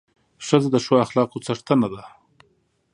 ښځه د ښو اخلاقو څښتنه ده.